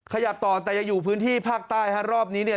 ขยับต่อแต่ยังอยู่พื้นที่ภาคใต้ฮะรอบนี้เนี่ย